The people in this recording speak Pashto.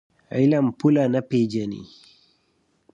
علم پوله نه پېژني.